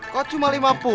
kok cuma lima puluh